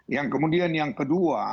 yang kemudian yang kedua